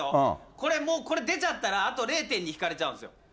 これもうこれ出ちゃったら、あと０．２引かれちゃうんですよ。